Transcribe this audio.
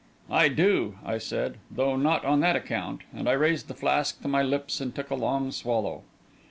"I do," I said, "though not on that account," and I raised the flask to my lips and took a long swallow.